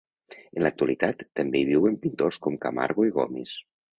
En l'actualitat també hi viuen pintors com Camargo i Gomis.